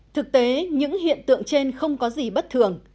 thực tế những hiện tượng trên không có gì bất thường